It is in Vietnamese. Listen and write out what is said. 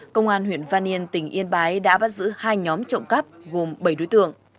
công an huyện văn yên tỉnh yên bái đã bắt giữ hai nhóm trộm cắp gồm bảy đối tượng